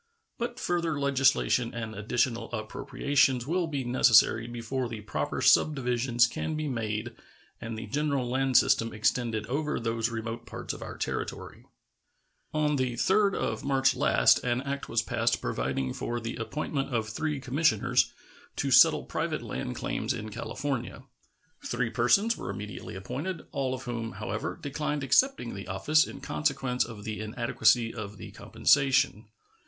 But further legislation and additional appropriations will be necessary before the proper subdivisions can be made and the general land system extended over those remote parts of our territory. On the 3d of March last an act was passed providing for the appointment of three commissioners to settle private land claims in California. Three persons were immediately appointed, all of whom, however, declined accepting the office in consequence of the inadequacy of the compensation.